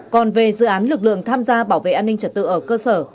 còn về dự án lực lượng tham gia bảo vệ an ninh trật tự ở cơ sở